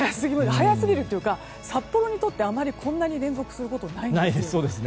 早すぎるというか札幌にとって、こんなに連続することはないんですね。